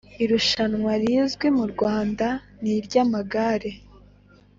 Irushanwa rizwi ryo mu Rwanda ni irya amagare